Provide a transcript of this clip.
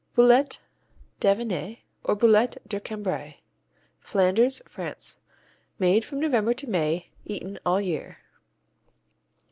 Boulette d'Avesnes, or Boulette de Cambrai Flanders, France Made from November to May, eaten all year.